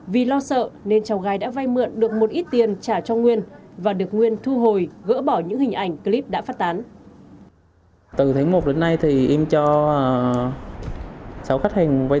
vì lo sợ nên cháu gái đã vay mượn được một ít tiền trả cho nguyên và được nguyên thu hồi gỡ bỏ những hình ảnh clip đã phát tán